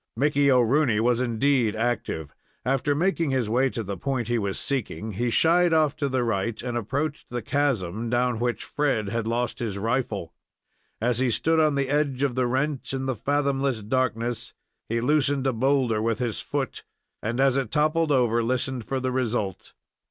Mickey O'Rooney was indeed active. After making his way to the point he was seeking, he shied off to the right, and approached the chasm, down which Fred had lost his rifle. As he stood on the edge of the rent in the fathomless darkness, he loosened a boulder with his foot, and as it toppled over, listened for the result.